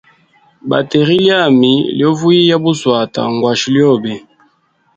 Bateri lyami lyo vuyia buswata, ngwashe lyobe.